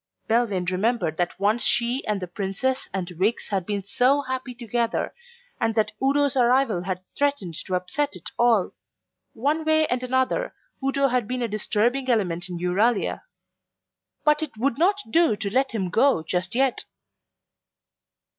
Belvane remembered that once she and the Princess and Wiggs had been so happy together, and that Udo's arrival had threatened to upset it all. One way and another, Udo had been a disturbing element in Euralia. But it would not do to let him go just yet.